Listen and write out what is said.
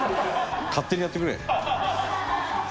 勝手にやってくれ。